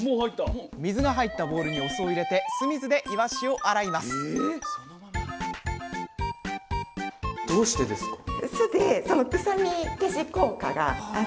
水が入ったボウルにお酢を入れて酢水でいわしを洗いますどうしてですか？